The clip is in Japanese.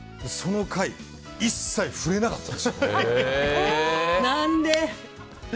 その回一切触れなかったんですよ。